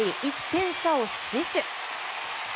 １点差を死守。